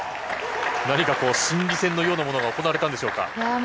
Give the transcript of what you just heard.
何か心理戦のようなものが行われたんでしょうか。